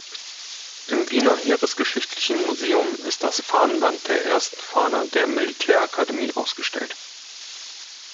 Im Wiener Heeresgeschichtlichen Museum ist das Fahnenband der ersten Fahne der Militärakademie ausgestellt.